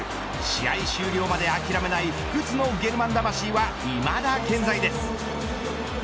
試合終了まで諦めない不屈のゲルマン魂はいまだ健在です。